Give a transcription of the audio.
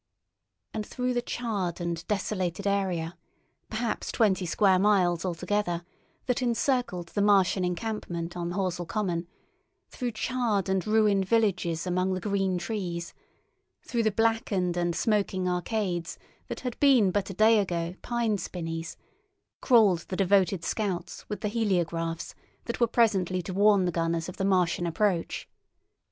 And through the charred and desolated area—perhaps twenty square miles altogether—that encircled the Martian encampment on Horsell Common, through charred and ruined villages among the green trees, through the blackened and smoking arcades that had been but a day ago pine spinneys, crawled the devoted scouts with the heliographs that were presently to warn the gunners of the Martian approach.